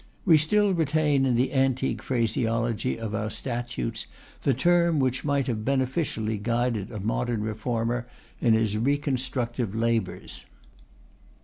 We still retain in the antique phraseology of our statutes the term which might have beneficially guided a modern Reformer in his reconstructive labours.